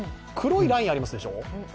黒いラインがありますでしょう。